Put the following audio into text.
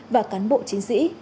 và cán bộ chính sĩ